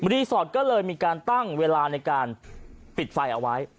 สทก็เลยมีการตั้งเวลาในการปิดไฟเอาไว้